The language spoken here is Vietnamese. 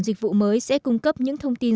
dịch vụ mới sẽ cung cấp những thông tin